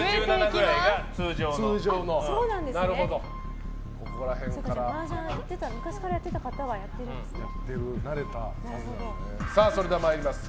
麻雀を昔からやってる方は慣れてるんですね。